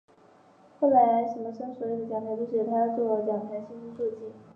后来倪柝声所有的讲台都是由他作讲台信息速记。